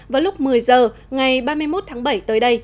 vào lúc một mươi h ngày ba mươi một tháng bảy tới đây